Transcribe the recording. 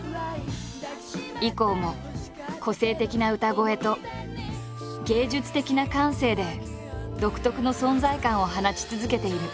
以降も個性的な歌声と芸術的な感性で独特の存在感を放ち続けている。